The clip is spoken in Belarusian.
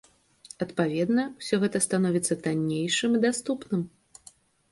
Адпаведна, усё гэта становіцца таннейшым і даступным.